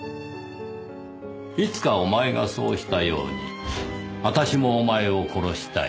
「いつかおまえがそうしたようにあたしもおまえを殺したい」